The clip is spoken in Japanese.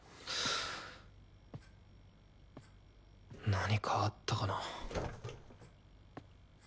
何かあったかな。